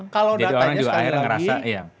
kalau datanya sekali lagi